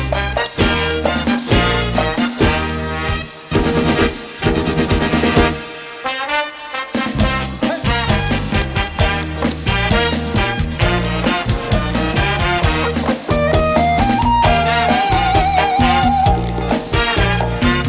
เพลงที่๒